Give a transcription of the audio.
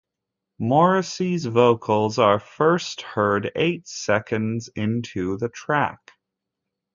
Morrissey's vocals are first heard eight seconds into the track.